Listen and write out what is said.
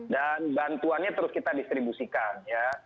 dan bantuannya terus kita distribusikan ya